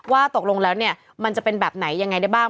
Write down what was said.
ว่าตกลงแล้วเนี่ยมันจะเป็นแบบไหนยังไงได้บ้าง